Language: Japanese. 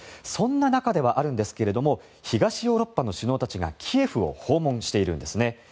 そんな中ではあるんですが東ヨーロッパの首脳たちがキエフを訪問しているんです。